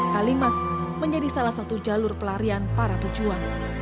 kalimas menjadi salah satu jalur pelarian para pejuang